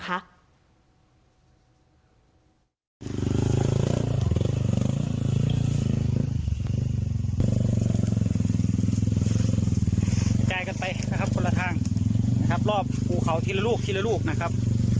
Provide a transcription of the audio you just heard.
กระจายกันไปนะครับคนละทางนะครับรอบภูเขาทีละลูกทีละลูกนะครับ